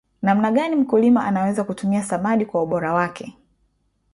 namna gani mkulima anaweza kutumia samadi kwa ubora wake